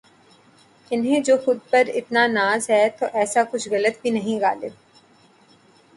انہیں جو خود پر اتنا ناز ہے تو ایسا کچھ غلط بھی نہیں غالب